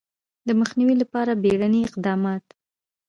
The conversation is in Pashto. د مخنیوي لپاره بیړني اقدامات